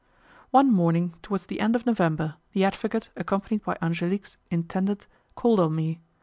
One morning towards the end of November the advocate, accompanied by Angelique's intended, called on me.